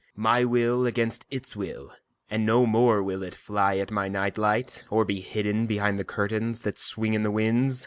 My will against its will, and no more will it fly at my night light or be hidden behind the curtains that swing in the winds.